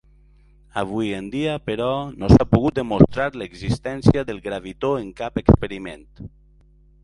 Avui en dia, però, no s'ha pogut demostrar l'existència del gravitó en cap experiment.